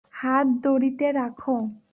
হাত দড়িতে রাখো।